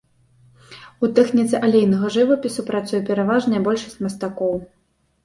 У тэхніцы алейнага жывапісу працуе пераважная большасць мастакоў.